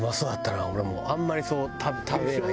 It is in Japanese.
俺もあんまり食べないけど。